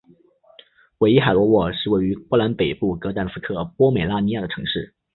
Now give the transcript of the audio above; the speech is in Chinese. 韦伊海罗沃是位于波兰北部格但斯克波美拉尼亚的城市。